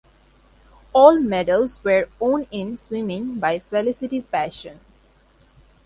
All medals were won in swimming by Felicity Passon.